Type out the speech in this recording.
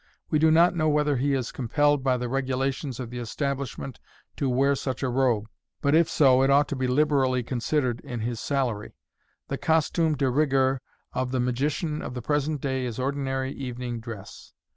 We do not know whether he is compelled by the regulations of the establishment MODERN MAGIC. to wear such a robe ; but if so, it ought to be liberally considered in his salary. The costume de rigueur of the magician of the present day is ordinary "evening dress."